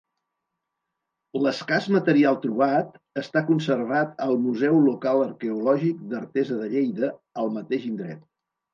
L'escàs material trobat està conservat al Museu Local Arqueològic d'Artesa de Lleida, al mateix indret.